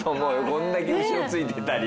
こんだけ後ろついてたり。